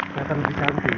datang ke santik